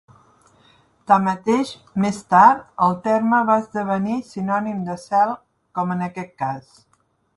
Tanmateix, més tard, el terme va esdevenir sinònim de cel, com en aquest cas.